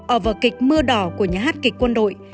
ở vở kịch mưa đỏ của nhà hát kịch quân đội